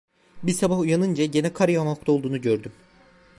Bir sabah uyanınca gene kar yağmakta olduğunu gördüm.